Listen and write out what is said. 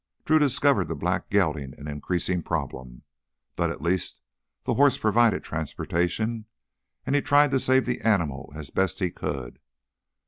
Drew discovered the black gelding an increasing problem, but at least the horse provided transportation, and he tried to save the animal as best he could.